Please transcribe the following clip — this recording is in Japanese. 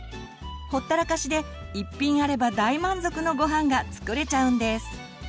ほったらかしで１品あれば大満足のごはんが作れちゃうんです。